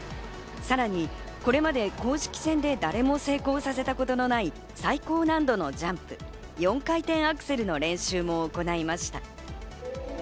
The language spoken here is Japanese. さらに、これまで公式戦で誰も成功させたことのない最高難度のジャンプ、４回転アクセルの練習も行いました。